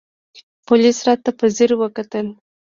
پوليس راته په ځير وکتل.